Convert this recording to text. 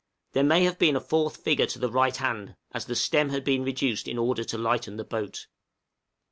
There may have been a fourth figure to the right hand, as the stem had been reduced in order to lighten the boat.